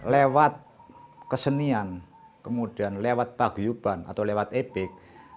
lewat kesenian kemudian lewat paguyuban atau lewat ebek